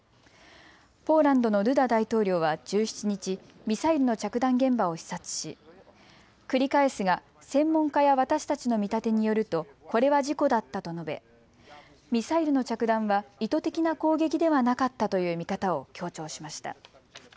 ポーランドのドゥダ大統領は１７日、ミサイルの着弾現場を視察し繰り返すが専門家や私たちの見立てによるとこれは事故だったと述べ、ミサイルの着弾は意図的な攻撃ではなかったという見方を強調しました。